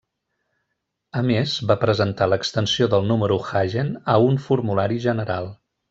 A més, va presentar l'extensió del número Hagen a un formulari general.